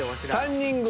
「３人組」